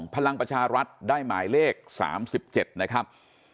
พลังประชารัฐได้หมายเลข๓๗นะครับ